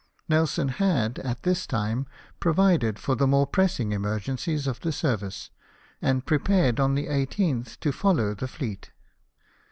Nelson had, at this time, provided for the more pressing emer gencies of the service, and prepared on the 18 th to follow the fleet.